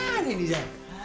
nah nih nih jang